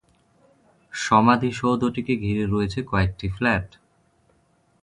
সমাধিসৌধটিকে ঘিরে রয়েছে কয়েকটি ফ্ল্যাট।